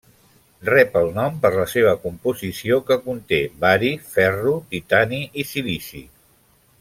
Rep el nom per la seva composició, que conté bari, ferro, titani i silici.